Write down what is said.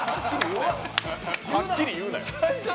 はっきり言うなよ。